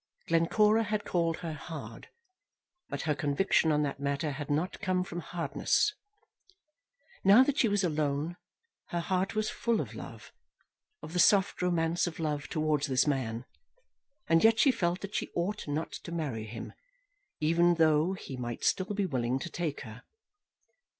Glencora had called her hard; but her conviction on that matter had not come from hardness. Now that she was alone, her heart was full of love, of the soft romance of love towards this man; and yet she felt that she ought not to marry him, even though he might still be willing to take her.